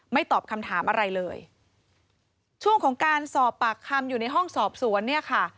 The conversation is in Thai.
ตอบคำถามอะไรเลยช่วงของการสอบปากคำอยู่ในห้องสอบสวนเนี่ยค่ะ